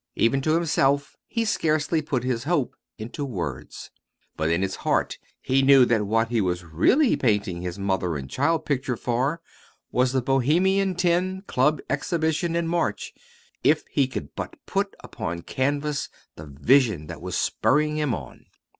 Even to himself he scarcely put his hope into words; but in his heart he knew that what he was really painting his "Mother and Child" picture for was the Bohemian Ten Club Exhibition in March if he could but put upon canvas the vision that was spurring him on.